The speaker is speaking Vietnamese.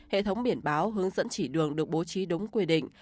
hệ thống biển báo hướng dẫn chỉ đường được bố trí đúng quy định